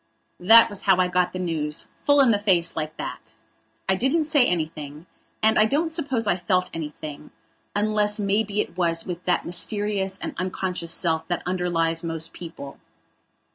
That was how I got the newsfull in the face, like that. I didn't say anything and I don't suppose I felt anything, unless maybe it was with that mysterious and unconscious self that underlies most people.